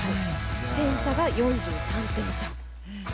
点差が４３点差。